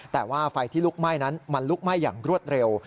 แต่ว่าไฟที่ลุกไหม้นั้นมันลุกไหม้อย่างรวดเร็ว